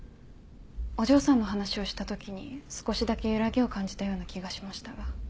お嬢さんの話をした時に少しだけ揺らぎを感じたような気がしましたが。